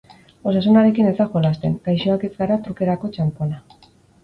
Osasunarekin ez da jolasten, gaixoak ez gara trukerako txanpona.